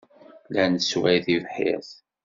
La nessway tibḥirt.